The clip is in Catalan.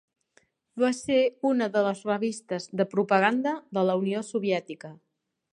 Va ser una de les revistes de propaganda de la Unió Soviètica.